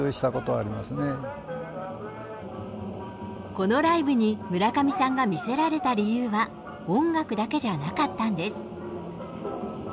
このライブに村上さんが見せられた理由は音楽だけじゃなかったんです。